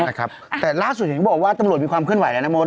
น่ะครับแต่ล่าสุดอย่างนี้เบาะว่าตำรวจมีความเคลื่อนไหวนะโม้ท